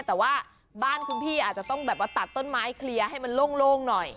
แต่ว่าบ้านคุณพี่อาจจะต้องแบบว่าตัดต้นไม้เคลียร์ให้มันโล่งหน่อย